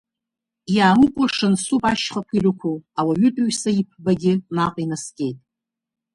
Иааукәыршан суп ашьхақәа ирықәу, ауаҩытәыҩса иԥбагьы наҟинаскьеит.